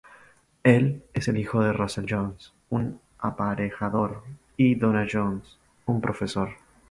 Él es el hijo de Russell Jones, un aparejador, y Donna Jones, un profesor.